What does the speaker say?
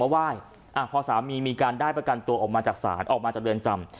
พวกสามารถที่พ่อสามีได้มาไหว้ได้ประกันตัวขวัญจากสารจากเดือนจำ